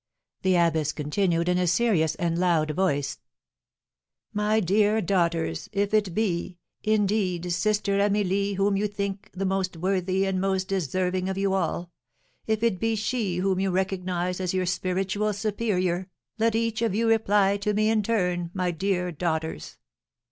The abbess continued, in a serious and loud voice: "My dear daughters, if it be, indeed, Sister Amelie whom you think the most worthy and most deserving of you all, if it be she whom you recognise as your spiritual superior, let each of you reply to me in turn, my dear daughters."